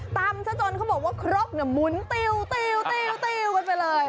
ซะจนเขาบอกว่าครกหมุนติวกันไปเลย